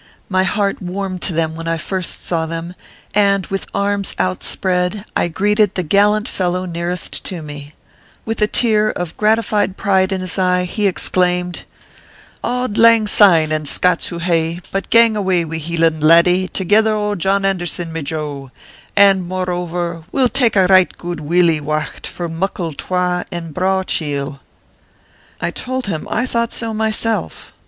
My heart warmed to them when I first saw them ; and, with arms outspread, I greeted the gallant fellow nearest to me With a tear of gratified pride in his eye, he exclaimed :" Auld lang syne and Scots who ha e ; but gang awa wi Heeland laddie thegither o John Anderson my Jo ; and, moreover, we ll tak a right gude willie wacht for muckle twa and braw chiel." I told him I thought so myself.